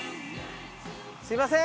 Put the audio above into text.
すみません！